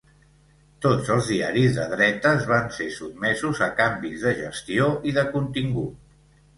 Tots els diaris de dretes van ser sotmesos a canvis de gestió i de contingut.